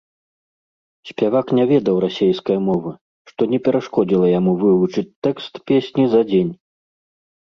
Спявак не ведаў расейскай мовы, што не перашкодзіла яму вывучыць тэкст песні за дзень.